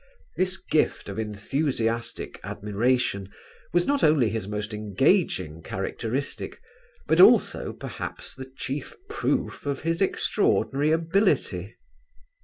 This gift of enthusiastic admiration was not only his most engaging characteristic, but also, perhaps, the chief proof of his extraordinary ability.